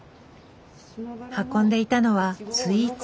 運んでいたのはスイーツ。